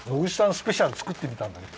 スペシャル作ってみたんだけど。